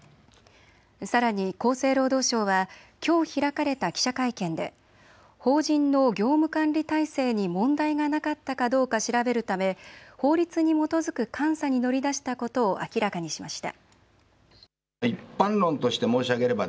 さらに厚生労働省はきょう開かれた記者会見で法人の業務管理体制に問題がなかったかどうか調べるため法律に基づく監査に乗り出したことを明らかにしました。